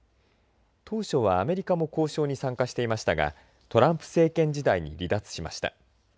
当初はアメリカも交渉に参加していましたがトランプ政権時代に離脱しました。